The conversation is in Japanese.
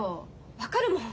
分かるもん。